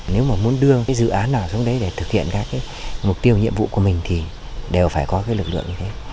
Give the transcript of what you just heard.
nếu mà muốn đưa dự án nào xuống đấy để thực hiện các mục tiêu nhiệm vụ của mình thì đều phải có lực lượng như thế